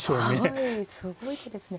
はいすごい手ですね。